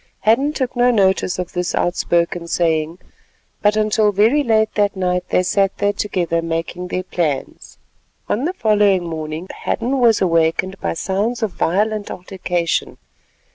Hadden took no notice of this outspoken saying, but until very late that night they sat there together making their plans. On the following morning Hadden was awakened by sounds of violent altercation.